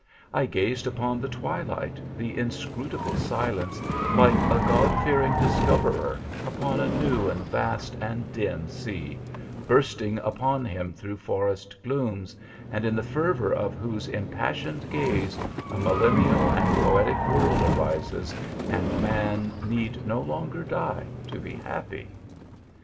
I gazed upon the twilight, the inscrutable silence, like a God fearing discoverer upon a new, and vast, and dim sea, bursting upon him through forest glooms, and in the fervor of whose impassioned gaze, a millennial and poetic world arises, and man need no longer die to be happy.